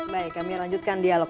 baik kami lanjutkan dialog